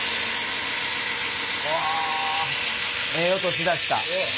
うわええ音しだした。